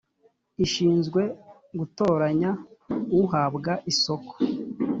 ishinzwe gutoranya uhabwa isoko